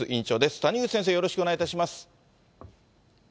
谷口先生、よろしくお願いいたします。